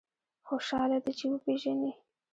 خوشاله دی چې وپېژني.